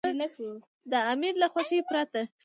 د امیر له خوښې پرته.